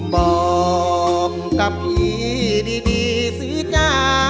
บอกกับพี่ดีสิจ้า